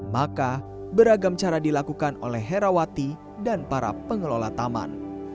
maka beragam cara dilakukan oleh herawati dan para pengelola taman